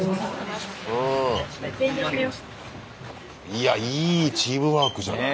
いやいいチームワークじゃない。